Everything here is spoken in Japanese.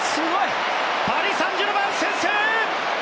パリ・サンジェルマン先制！